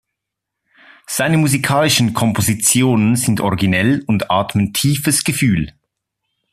Seine musikalischen Kompositionen sind originell und atmen tiefes Gefühl.